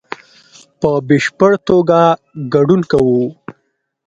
په بشپړ توګه ګډون کوو